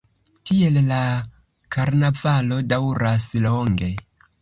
Tiel la karnavalo daŭras longe.